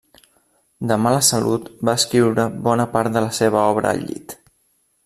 De mala salut va escriure bona part de la seva obra al llit.